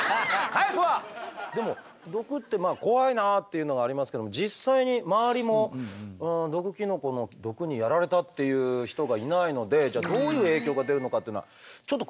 でも毒って怖いなあっていうのがありますけれども実際に周りも毒キノコの毒にやられたっていう人がいないのでどういう影響が出るのかっていうのはちょっと詳しくは分からないんですよね。